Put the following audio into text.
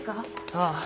ああ。